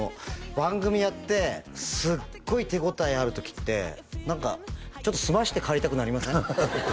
番組やってすっごい手応えある時って何かちょっとすまして帰りたくなりません？